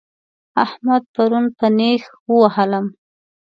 احمد پرون په نېښ ووهلم